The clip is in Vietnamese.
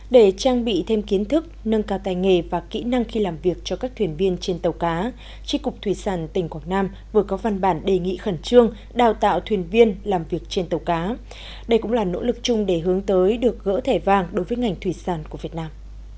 để trang bị thêm kiến thức nâng cao tay nghề và kỹ năng khi làm việc cho các thuyền viên trên tàu cá tri cục thủy sản tỉnh quảng nam vừa có văn bản đề nghị khẩn trương đào tạo thuyền viên làm việc trên tàu cá đây cũng là nỗ lực chung để hướng tới được gỡ thẻ vàng đối với ngành thủy sản của việt nam